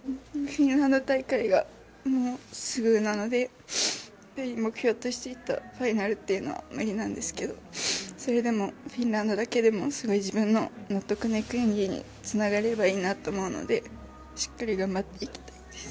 フィンランド大会がもうすぐなので目標としていたファイナルというのは無理なんですけどそれでもフィンランドだけでもそういう自分の納得のいくようにつながればいいなと思うのでしっかり頑張っていきたいです。